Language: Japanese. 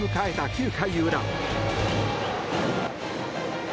９回裏。